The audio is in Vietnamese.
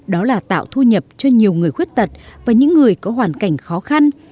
đó là tạo thu nhập cho nhiều người khuyết tật và những người có hoàn cảnh khó khăn